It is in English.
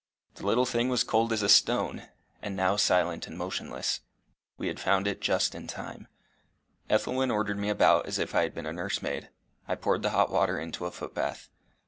The little thing was cold as a stone, and now silent and motionless. We had found it just in time. Ethelwyn ordered me about as if I had been a nursemaid. I poured the hot water into a footbath.